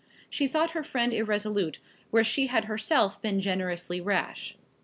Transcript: She thought her friend irresolute, where she had herself been generously rash.